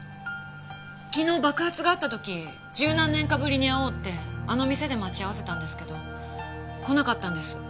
昨日爆発があった時十何年かぶりに会おうってあの店で待ち合わせたんですけど来なかったんです。